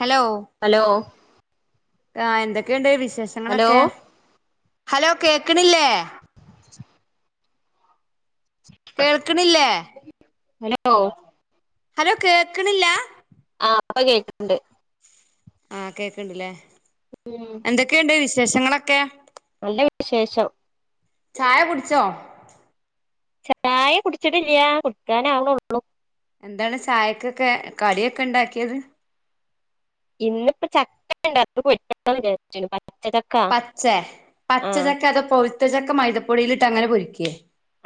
Hello hello ആ എന്തൊക്കെയുണ്ട് വിശേഷങ്ങളൊക്കെ ഹലോ കേക്കണില്ലേ കേൾക്കണില്ലേ ഹലോ ഹലോ കേക്കണില്ല? ആഹ് പ്പൊ കേക്കണ് ണ്ട്. ആഹ് കേക്കണ്ട്ല്ലേ ഉം എന്തൊക്കെയുണ്ട് വിശേഷങ്ങളൊക്കെ? നല്ല വിശേഷം. ചായ കുടിച്ചോ? ചായേ കുടിച്ചിട്ടില്ലയാ കുടുക്കാനാവ്ണേള്ളു. എന്താണ് ചായക്കൊക്കെ കടിയൊക്കെ ഉണ്ടാക്കിയത്? ഇന്നിപ്പോ ചക്കണ്ട് അത് പൊരിക്കാന്ന് വിചാരിച്ച് പച്ചെ പച്ച ചക്കെ അതോ പൊഴുത്ത ചക്ക മൈദപ്പൊടിയിലിട്ട് അങ്ങനെ പൊരിക്കേ?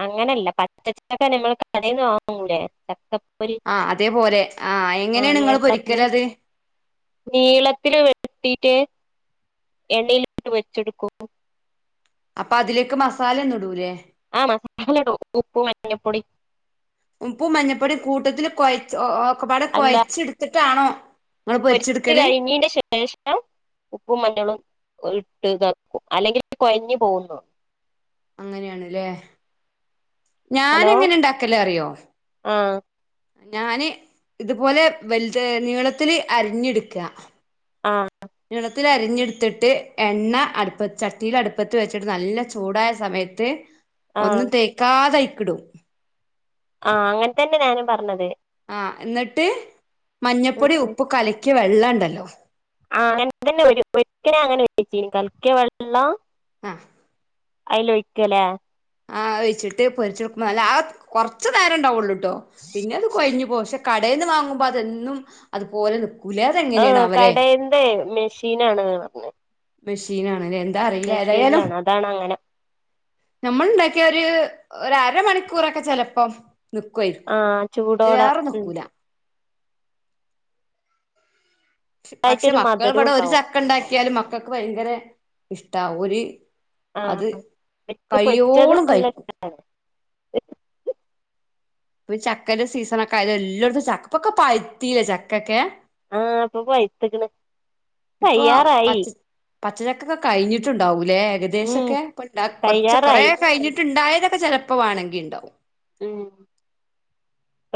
അങ്ങനെയല്ല പച്ചച്ചക്കെ ഞങ്ങൾ കടന്ന് വാങ്ങൂലെ ചക്ക ആ അതേപോലെ ആഹ് എങ്ങനെയാണ് നിങ്ങള് പൊരിക്കൽ നീളത്തില് അത്? നീളത്തില് വെ ട്ടീട്ട് എണ്ണയിലൊട്ട് പൊരിച്ചെടുക്കും. അപ്പൊ അതിലേക്ക് മസാല ഒന്നും ഇടൂലേ? ആ മസാലടും ഉപ്പും മഞ്ഞപ്പൊടി ഉപ്പും മഞ്ഞപ്പൊടിയും കൂട്ടത്തിൽ കൊഴച്ച് ഓ ഒക്കെപ്പാടെ കൊഴച്ചെടുത്തിട്ടാണോ? നിങ്ങൾ പൊരിച്ച പൊരിച്ചെടുക്കല് കഴിഞ്ഞീന്റെ ശേഷം ഉപ്പും മഞ്ഞളും ഇട്ട് ഇതാക്കും അല്ലെങ്കില് കൊഴഞ് പോകുതോന്ന്ണ് അങ്ങനെയണ്ല്ലേ ഞാന് ഹലോ എങ്ങനെ ഇണ്ടാക്കല് അറിയോ? ആഹ് ഞാന് ഇതുപോലെ വൽത് നീളത്തില് അരിഞ്ഞെടുക്കാ ആഹ് നീളത്തിൽ അരിഞ്ഞെട്ത്തിട്ട് എണ്ണ അടുപ്പ ചട്ടിയില് അടുപ്പത്ത് വെച്ചിട്ട് നല്ല ചൂടായ സമയത്ത് ആഹ് ഒന്നും തേക്കാതയ്കടും. ആഹ് അങ്ങനെ തന്നെ ഞാനും പറഞ്ഞത്. ആ എന്നട്ട് മഞ്ഞപ്പൊടീം ഉപ്പും കലക്കിയ വെള്ളണ്ടല്ലോ അങ്ങനെതെന്നെ ഒര് ഒരിക്കെ ഞാൻ അങ്ങനെ വെച്ചിരുന്നു. കൽക്കിയ വെള്ളം അഹ് അയ്ലൊഴിക്കലെ. ആ അഒഴിച്ചിട്ട് പൊരിച്ചെടുക്കുമ്പോ നല്ല ആ കൊറച്ചു നേരം ഇണ്ടാവൊള്ളൂട്ടോ. പിന്നെ അത് കൊഴഞ്ഞ് പോകും. പക്ഷേ കടേന്ന് വാങ്ങുമ്പോ അത് എന്നും അതുപോലെ നിക്കും. ആ കടയിന്റെ മെഷീനാണ്ന്ന് പറഞ്ഞ്. മെഷീനാണ് ലേ എന്താ അറീല്ല ഏതായാലും മെഷീനിലാണ് അതാണ് അങ്ങനെ നമ്മൾ ഇണ്ടാക്കിയ ഒര് ഒരരമണിക്കൂറൊക്കെ ചെലപ്പം നിക്കുവായിരിക്കും. ആഹ് ചൂടോടെ അതിലേറെ ഉം നിക്കൂല. പക്ഷെ അതായിട്ടൊരു മക്കൾ മധുരം ഇവിടെ ഒരു ഉണ്ടാവും ചക്കണ്ടാക്കിയാലും മക്കൾക്ക് ഭയങ്കര ഇഷ്ട്ടാവും ഒര് അത് ആഹ് എനിക്ക് പൊരിച്ചത് കഴിയോളും നല്ല കഴിക്കും. ഇഷ്ടാണ് ഇപ്പൊ ചക്കന്റെ സീസണൊക്കെ ആയത് എല്ലാടത്തും ചക്ക പ്പൊക്കെ പഴ്ത്തില്ലേ ചക്കൊക്കെ. ആഹ് പ്പൊ പഴ്ത്ത്ക്ണ്. ഇപ്പൊ പച്ച പച്ചച്ചക്കൊക്കെ കഴിഞ്ഞിട്ടുണ്ടാവൂ ല്ലെ ഉം ഏകദേശൊക്കെ ഇപ്പണ്ടാക്ക കൊറച്ച് കുറേ തയ്യാറായി കഴിഞ്ഞിട്ട്ണ്ടായതൊക്കെ ചെലപ്പോ വാണങ്കി ഇണ്ടാവും. ഉം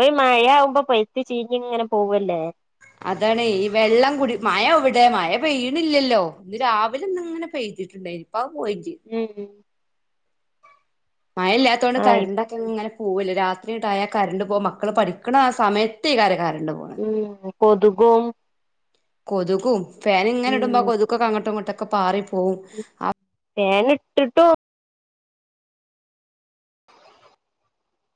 ഈ മഴ ആവുമ്പോ പഴ്ത്ത് ചീഞ്ഞ് ഇങ്ങനെ പോവല്ലേ. അതാണെയ് ഈ വെള്ളം കുടി മഴ എവിടെ മഴ പെയ്യണില്ലല്ലോ ഇന്ന് രാവിലെ ഇന്ന്ങ്ങനെ പെയ്തിട്ടുണ്ടായി ഇപ്പം ഉം ഉ മഴല്ലാത്തോണ്ട് ആഹ് കരണ്ടൊക്കെ ഇങ്ങനെ പോവല്ലേ രാത്രിട്ടായാൽ കരണ്ട് പോകും. മക്കൾ പഠിക്കണ ആ സമയത്തേകാരം കരണ്ട് ഉം കൊതുകും. കൊതുകും ഫാൻ ഇങ്ങനെ ഇടുമ്പോ ഉം കൊതുകൊക്കെ അങ്ങോട്ടും ഇങ്ങോട്ടൊക്കെ പാറി പോവും അപ്പോ ഫേൻ ഇട്ട്ട്ടോ?